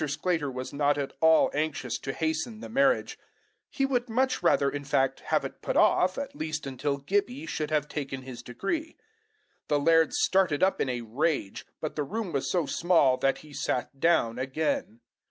Sclater was not at all anxious to hasten the marriage; he would much rather, in fact, have it put off, at least until Gibbie should have taken his degree. The laird started up in a rage, but the room was so small that he sat down again.